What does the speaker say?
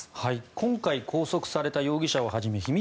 今回拘束された容疑者をはじめ秘密